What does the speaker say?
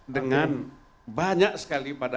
dengan banyak sekali